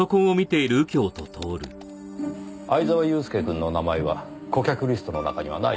藍沢祐介くんの名前は顧客リストの中にはないようですねぇ。